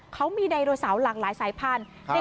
เขามีไดโนเสาร์หลากหลายสายพันธุ์